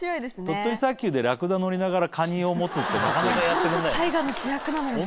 鳥取砂丘でラクダ乗りながらカニを持つってなかなかやってくんないよね。